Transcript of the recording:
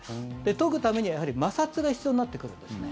研ぐためには、やはり摩擦が必要になってくるんですね。